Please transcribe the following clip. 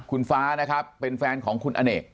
คุณฟ้านะครับเป็นแฟนของคุณอเนก